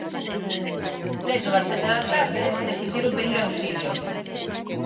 Preto das sete da tarde, decidiron pedir auxilio.